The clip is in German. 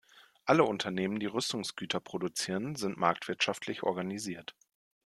Alle Unternehmen die Rüstungsgüter produzieren, sind marktwirtschaftlich organisiert.